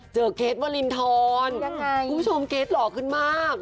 เกรทวรินทรคุณผู้ชมเกรทหล่อขึ้นมาก